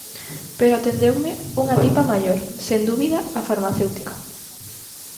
Pero atendeume unha tipa maior, sen dúbida a farmacéutica.